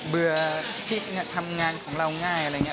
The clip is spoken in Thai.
เบื่อที่ทำงานของเราง่ายอะไรอย่างนี้